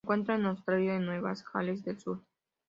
Se encuentra en Australia en Nueva Gales del Sur.